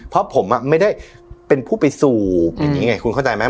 เพราะผมไม่ได้เป็นผู้ไปสูบอย่างนี้ไงคุณเข้าใจไหม